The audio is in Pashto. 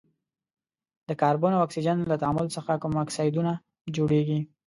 د کاربن او اکسیجن له تعامل څخه کوم اکسایدونه جوړیږي؟